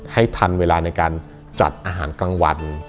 ให้ทันเวลาในการจัดอาหารกลางวัน